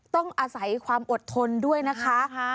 ต้องอาศัยความอดทนด้วยนะคะ